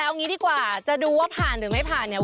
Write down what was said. เอางี้ดีกว่าจะดูว่าผ่านหรือไม่ผ่านเนี่ย